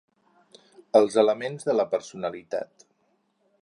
Els elements de la personalitat.